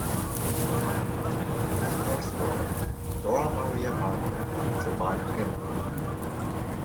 His fourth wife, Dora Maria Barker, survived him.